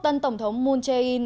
tân tổng thống moon jae in